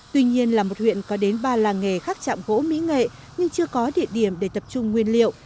tuy nhiên là một huyện có đến ba làng nghề khác chạm gỗ mỹ nghệ nhưng chưa có địa điểm để tập trung nguyên liệu